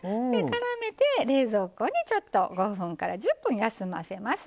からめて、冷蔵庫に５分から１０分、休ませます。